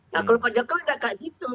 nah kalau pak jokowi udah kayak gitu